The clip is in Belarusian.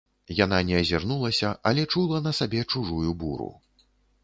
Яна не азірнулася, але чула на сабе чужую буру.